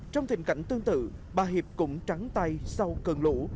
trong thiềm cảnh tương tự bà hiệp cũng trắng tay sau cơn lũ